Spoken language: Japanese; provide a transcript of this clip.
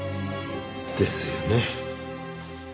ですよね。